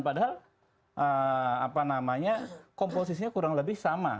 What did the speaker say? padahal komposisinya kurang lebih sama